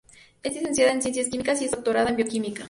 Es licenciada en ciencias químicas y es doctorada en bioquímica.